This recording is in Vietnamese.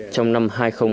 trong năm hai nghìn hai mươi